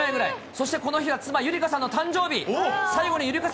そしてこの日は妻、ゆりかさんの誕生日。